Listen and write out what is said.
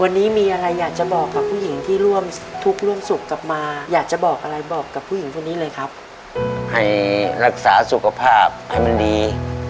วันนี้มีอะไรอยากจะบอกกับผู้หญิงที่ร่วมทุกข์ร่วมสุขกลับมาอยากจะบอกอะไรบอกกับผู้หญิงคนนี้เลยครับให้รักษาสุขภาพให้มันดี